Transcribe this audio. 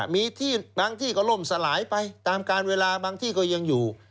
มีที่บางที่ก็ล่มสลายไปตามการเวลาบางที่ก็ยังอยู่